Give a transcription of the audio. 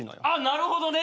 なるほどね。